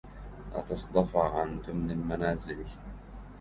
لا تصدفا عن دمن المنازل